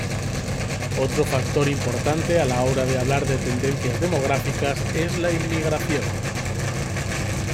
Otro factor importante a la hora de hablar de tendencias demográficas es la inmigración.